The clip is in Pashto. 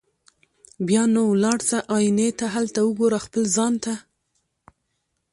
بیا نو ولاړ سه آیینې ته هلته وګوره خپل ځان ته